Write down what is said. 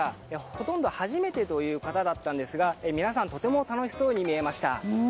ほとんど初めてという方だったんですが皆さんとても楽しそうに見えました。